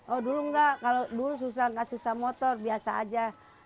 oh dulu enggak kalau dulu susah nggak susah motor biasa aja